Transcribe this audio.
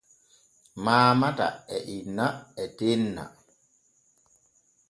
Maamata e inna e tenna.